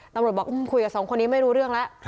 ตำรวจบอกคุยกับสองคนนี้ไม่รู้เรื่องแล้ว